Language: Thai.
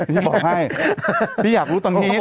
พี่บอกให้พี่อยากรู้ตอนนี้